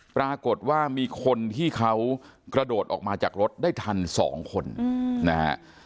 ปรากฏว่ามีคนที่เขากระโดดออกมาจากรถได้ทัน๒คนนะฮะ